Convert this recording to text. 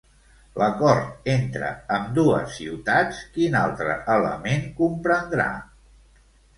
L'acord entre ambdues ciutats, quin altre element comprendrà?